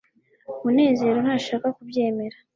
munezero ntashaka kubyemera